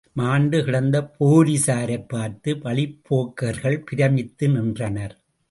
மாண்டுகிடந்த போலிஸாரைப் பார்த்து வழிப்போக்கர்கள் பிரமித்து நின்றனர்.